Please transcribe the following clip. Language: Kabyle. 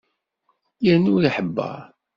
Yerna ur iḥebber.